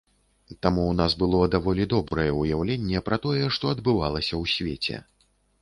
Таму ў нас было даволі добрае ўяўленне пра тое, што адбывалася ў свеце.